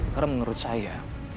karena menurut saya